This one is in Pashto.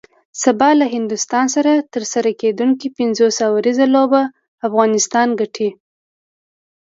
سبا له هندوستان سره ترسره کیدونکی پنځوس اوریزه لوبه به افغانستان ګټي